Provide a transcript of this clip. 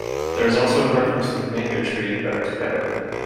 There is also a reference to the mango tree in "Better Together".